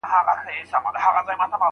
غل په غره کي هم ځای نه لري.